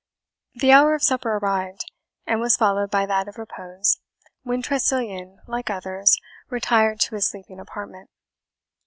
The hour of supper arrived, and was followed by that of repose, when Tressilian, like others, retired to his sleeping apartment.